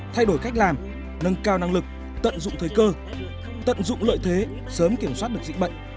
thay đổi cách làm nâng cao năng lực tận dụng thời cơ tận dụng lợi thế sớm kiểm soát được dịch bệnh